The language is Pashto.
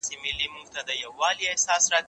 زه به سبزیجات وچولي وي؟